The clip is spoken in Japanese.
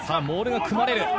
モールが組まれる。